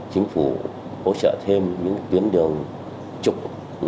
chính phủ hỗ trợ thêm những tuyến đường trục